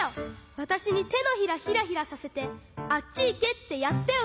わたしにてのひらヒラヒラさせてあっちいけってやったよ